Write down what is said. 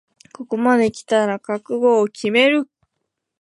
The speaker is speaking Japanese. ここまできたら覚悟を決める